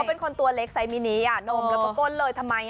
ก็เป็นคนตัวเล็กใส่มินินมและก็กลเลยทำไม